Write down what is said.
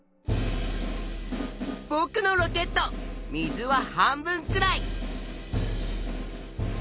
ぼくのロケット水は半分くらい。